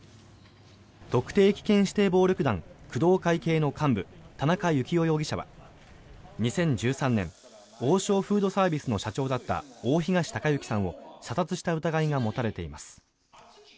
特定危険指定暴力団工藤会系の幹部、田中幸雄容疑者は２０１３年王将フードサービスの社長だった大東隆行さんを射殺した疑いが持たれています。